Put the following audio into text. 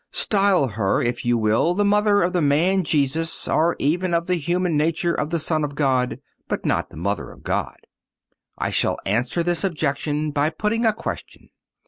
Style her, if you will, the Mother of the man Jesus or even of the human nature of the Son of God, but not the Mother of God. I shall answer this objection by putting a question.